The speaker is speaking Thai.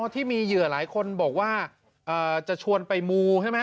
ที่มีเหยื่อหลายคนบอกว่าจะชวนไปมูใช่ไหม